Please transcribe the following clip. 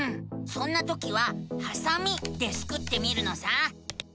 そんなときは「はさみ」でスクってみるのさ！